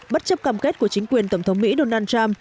bất chấp cam kết của chính quyền tổng thống mỹ donald trump